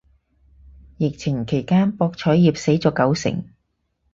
疫情期間博彩業死咗九成